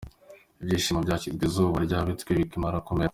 Ibishyimbo byahinzwemo izuba ryabitwitse bikimara kumera.